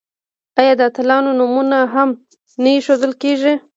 آیا د اتلانو نومونه هم نه ایښودل کیږي؟